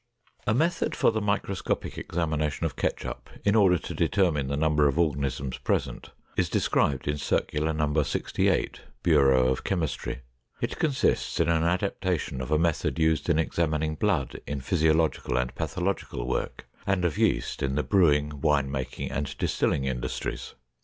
A method for the microscopic examination of ketchup in order to determine the number of organisms present is described in Circular No. 68, Bureau of Chemistry. It consists in an adaptation of a method used in examining blood in physiological and pathological work, and of yeast in the brewing, wine making, and distilling industries.